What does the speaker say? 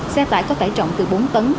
xe tải có tải trọng từ bốn tấn